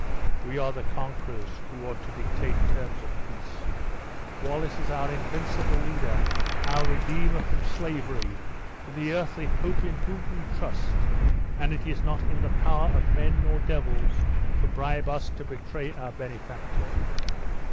We are the conquerors who ought to dictate terms of peace! Wallace is our invincible leader, our redeemer from slavery, the earthly hope in whom we trust, and it is not in the power of men nor devils to bribe us to betray our benefactor.